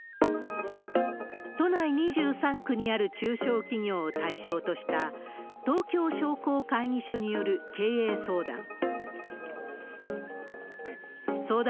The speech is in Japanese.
都内２３区にある中小企業を対象とした、東京商工会議所による経営相談。